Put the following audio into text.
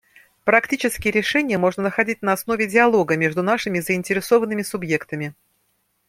Практические решения можно находить на основе диалога между нашими заинтересованными субъектами.